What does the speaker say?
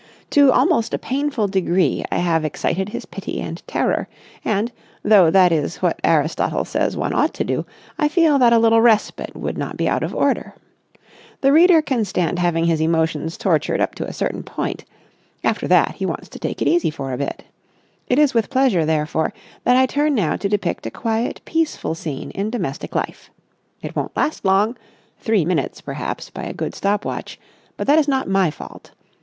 To almost a painful degree I have excited his pity and terror; and, though that is what Aristotle says one ought to do, I feel that a little respite would not be out of order. The reader can stand having his emotions tortured up to a certain point; after that he wants to take it easy for a bit. It is with pleasure, therefore, that I turn now to depict a quiet, peaceful scene in domestic life. It won't last long—three minutes, perhaps, by a good stop watch—but that is not my fault.